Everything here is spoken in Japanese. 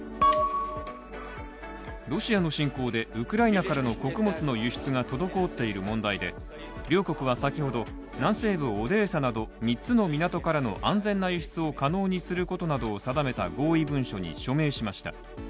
ロシアの侵攻でウクライナからの穀物の輸出が滞っている問題で両国は先ほど、南西部オデーサなど、３つの港からの安全な輸出を可能にすることなどを定めた合意文書に署名しました。